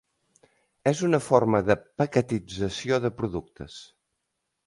És una forma de paquetització de productes.